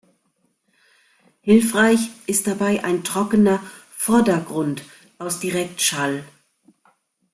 Hilfreich ist dabei ein trockener „Vordergrund“ aus Direktschall.